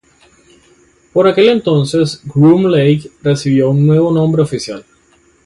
Por aquel entonces Groom Lake recibió un nuevo nombre oficial.